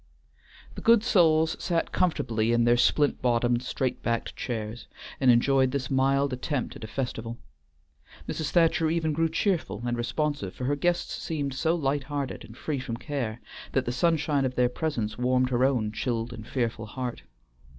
The good souls sat comfortably in their splint bottomed, straight backed chairs, and enjoyed this mild attempt at a festival. Mrs. Thacher even grew cheerful and responsive, for her guests seemed so light hearted and free from care that the sunshine of their presence warmed her own chilled and fearful heart.